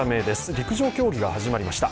陸上競技が始まりました。